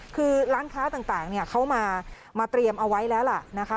คือร้านค้าต่างต่างเนี่ยเขามามาเตรียมเอาไว้แล้วล่ะนะคะ